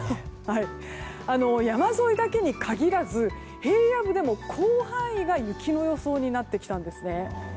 山沿いだけに限らず平野部でも広範囲が雪の予想になってきたんですね。